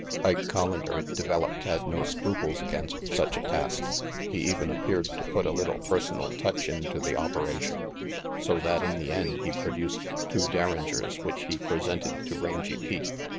Ike Collander, it developed, had no scruples against such a task. He even appeared to put a little personal touch into the operation, so that in the end he produced two derringers which he pre sented to Rangy Pete.